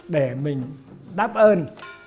để mình đáp ơn